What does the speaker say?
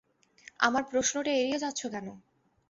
আমার প্রশ্নটা এড়িয়ে যাচ্ছো কেন?